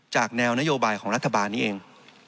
แนวนโยบายของรัฐบาลนี้เอง